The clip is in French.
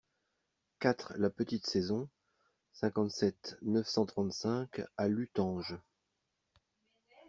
quatre la Petite Saison, cinquante-sept, neuf cent trente-cinq à Luttange